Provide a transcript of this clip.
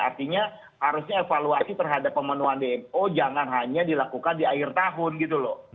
artinya harusnya evaluasi terhadap pemenuhan dmo jangan hanya dilakukan di akhir tahun gitu loh